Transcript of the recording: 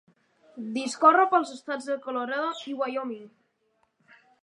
Discorre pels estats de Colorado i Wyoming.